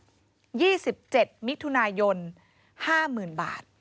๒๗พฤษภาคมมิถุนายน๕๐๐๐๐บาท